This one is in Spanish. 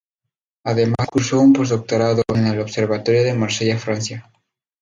Además cursó un posdoctorado en el Observatorio de Marsella, Francia.